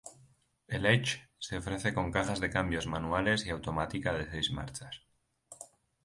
El Edge se ofrece con cajas de cambios manual y automática de seis marchas.